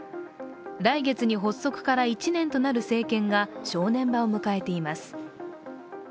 来月に発足から１年となる政権が正念場を迎えています。